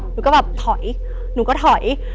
หนูก็แบบถอยหนูก็ถอย